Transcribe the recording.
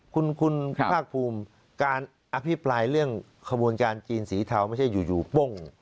คุณภาคภูมิการอภิปรายเรื่องขบวนการจีนสีเทาไม่ใช่อยู่โป้ง